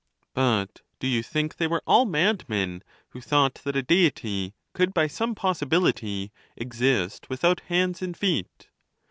But do yon think they were all madmen who thought that a Dei ty could by some possibility exist without hands and feet